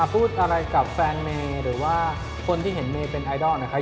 พูดอะไรกับแฟนเมย์หรือว่าคนที่เห็นเมย์เป็นไอดอลนะครับ